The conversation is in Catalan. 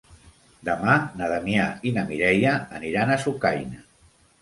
Demà na Damià i na Mireia aniran a Sucaina.